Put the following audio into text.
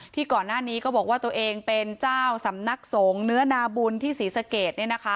ก่อนหน้านี้ก็บอกว่าตัวเองเป็นเจ้าสำนักสงฆ์เนื้อนาบุญที่ศรีสเกต